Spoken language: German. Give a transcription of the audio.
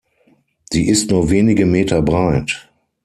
Sie ist nur wenige Meter breit.